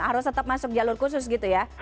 harus tetap masuk jalur khusus gitu ya